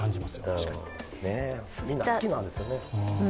みんな好きなんですよね。